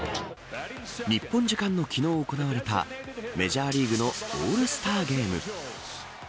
日本時間の昨日行われたメジャーリーグのオールスターゲーム。